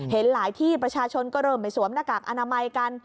เห็นหลายที่ประชาชนก็เริ่มไม่สวมหน้ากากอนามัยกัน